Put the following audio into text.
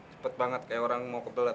cepet banget kayak orang mau kebelet